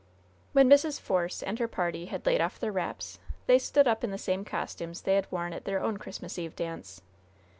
When Mrs. Force and her party had laid off their wraps, they stood up in the same costumes they had worn at their own Christmas Eve dance.